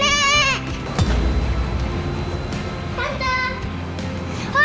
iya ibu mau istirahatkan